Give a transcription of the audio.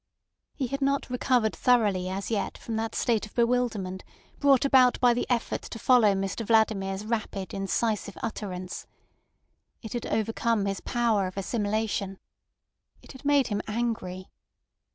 He had not recovered thoroughly as yet from that state of bewilderment brought about by the effort to follow Mr Vladimir's rapid incisive utterance. It had overcome his power of assimilation. It had made him angry.